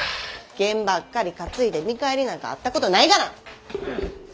験ばっかり担いで見返りなんかあったことないがな！